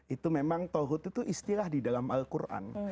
itu memang tohut itu istilah di dalam al qur'an